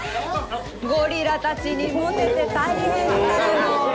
ゴリラたちにモテて大変だね